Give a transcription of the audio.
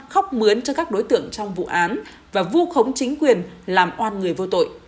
khóc mướn cho các đối tượng trong vụ án và vu khống chính quyền làm oan người vô tội